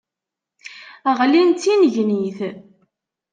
Ɣlin d tinnegnit.